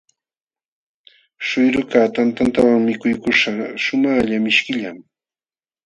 Śhuyrukaq tantantawan mikuykuśhqa shumaqlla mishkillam.